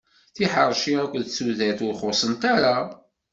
Tiḥerci aked tudert ur xuṣṣent ara.